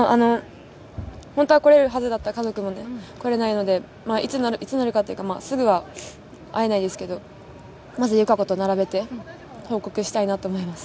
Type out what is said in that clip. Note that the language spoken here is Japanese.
本当は来れるはずだった家族に、来れないので、いつになるかというか、まあすぐは会えないですけど、まず友香子と並べて報告したいなと思います。